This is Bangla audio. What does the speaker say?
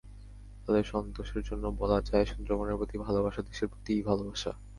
তাঁদের সন্তোষের জন্য বলা যায়, সুন্দরবনের প্রতি ভালোবাসা দেশের প্রতিই ভালোবাসা।